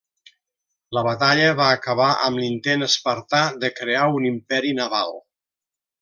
La batalla va acabar amb l'intent espartà de crear un imperi naval.